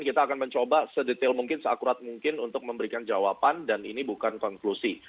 kita akan mencoba sedetail mungkin seakurat mungkin untuk memberikan jawaban dan ini bukan konklusi